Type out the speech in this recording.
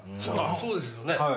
そうですよね。